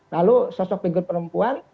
lalu sosok figur perempuan